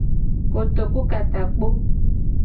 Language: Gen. Kotoku ka takpo.